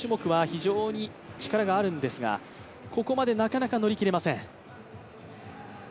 非常に力があるんですが、ここまでなかなか乗り切れません。